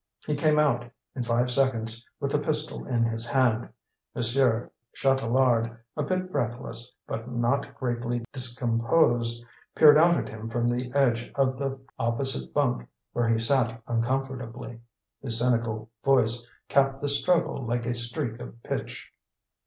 He came out, in five seconds, with the pistol in his hand. Monsieur Chatelard, a bit breathless, but not greatly discomposed, peered out at him from the edge of the opposite bunk, where he sat uncomfortably. His cynical voice capped the struggle like a streak of pitch.